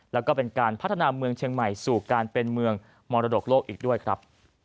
แล้วก็เป็นการพัฒนาเมืองเชียงใหม่สู่การเป็นเมืองมรดกโลกอีกด้วยครับ